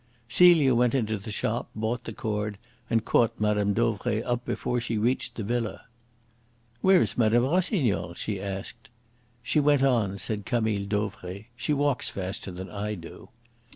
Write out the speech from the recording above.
Celia went into the shop, bought the cord, and caught Mme. Dauvray up before she reached the villa. "Where is Mme. Rossignol?" she asked. "She went on," said Camille Dauvray. "She walks faster than I do."